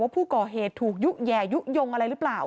ผู้ก่อเหตุถูกยุแหย่ยุโยงอะไรหรือเปล่า